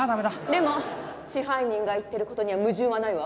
でも支配人が言っている事には矛盾はないわ。